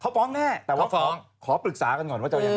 เขาฟ้องแน่แต่ว่าฟ้องขอปรึกษากันก่อนว่าจะเอายังไง